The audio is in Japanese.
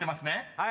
はい。